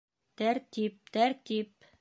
Тәртип, тәртип!